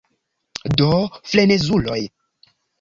Do, frenezuloj.